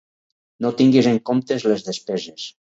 No tinguis en comptes les despeses.